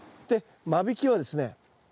で間引きはですね